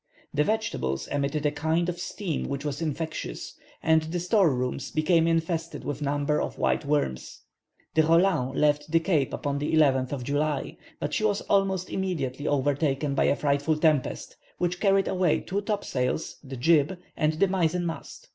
The vegetables emitted a kind of steam which was infectious, and the store rooms became infested with numbers of white worms. The Roland left the Cape upon the 11th of July, but she was almost immediately overtaken by a frightful tempest, which carried away two topsails, the jib, and the mizen mast.